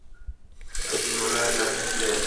আপনি ওনার সাথে ছিলেন?